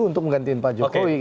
untuk menggantiin pak jokowi